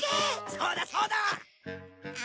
そうだそうだ！あ。